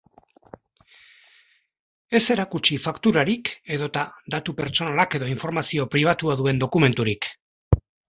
Ez erakutsi fakturarik edota datu pertsonalak edo informazio pribatua duen dokumenturik.